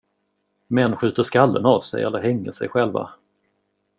Män skjuter skallen av sig eller hänger sig själva.